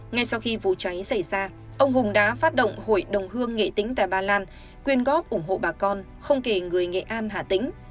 ngay sau khi vụ cháy xảy ra ông hùng đã phát động hội đồng hương nghệ tĩnh tại ba lan quyên góp ủng hộ bà con không kể người nghệ an hà tĩnh